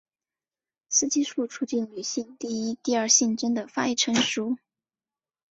雌激素促进女性第一第二性征的发育成熟。